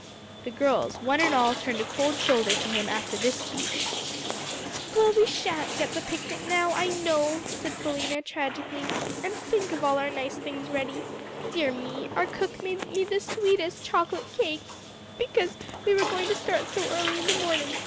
The girls, one and all, turned a cold shoulder to him after this speech. "Well, we sha'n't get the picnic now, I know," said Philena tragically; "and think of all our nice things ready. Dear me! our cook made me the sweetest chocolate cakes, because we were going to start so early in the morning.